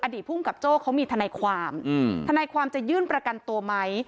ภูมิกับโจ้เขามีทนายความทนายความจะยื่นประกันตัวไหม